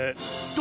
と